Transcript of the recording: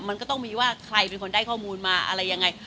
มันก็ต้องมีว่าใครเป็นคนได้ข้อมูลมาอะไรยังไง